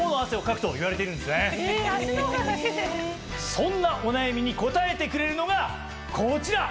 そんなお悩みに応えてくれるのがこちら！